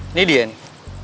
ini dia nih